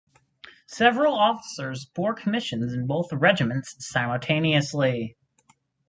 Several officers bore commissions in both regiments simultaneously.